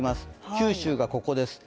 九州がここです。